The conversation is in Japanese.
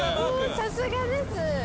さすがです。